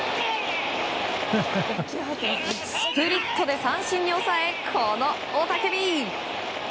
スプリットで三振に抑えこの雄たけび。